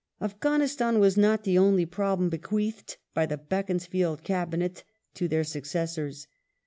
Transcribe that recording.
South Afghanistan was not the only problem bequeathed by the Africa Beaconsfield Cabinet to their successors.